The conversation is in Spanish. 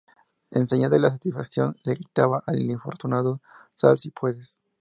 En señal de satisfacción le gritaba al infortunado: "Sal si puedes".